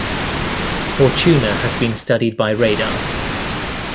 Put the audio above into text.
Fortuna has been studied by radar.